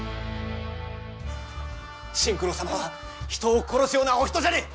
新九郎様は人を殺すようなお人じゃねえ。